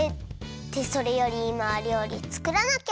ってそれよりいまはりょうりつくらなきゃ！